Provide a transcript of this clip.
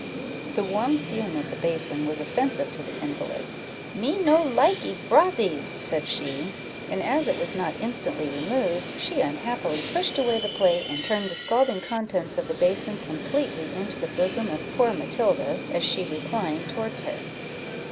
The warm fume of the basin was offensive to the invalid "Me no likee brothies," said she; and as it was not instantly removed, she unhappily pushed away the plate, and turned the scalding contents of the basin completely into the bosom of poor Matilda, as she reclined towards her.